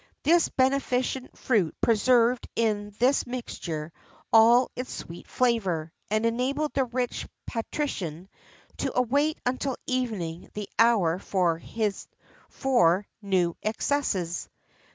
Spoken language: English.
This beneficent fruit preserved in this mixture all its sweet flavour,[XIII 74] and enabled the rich patrician to await until evening the hour for new excesses.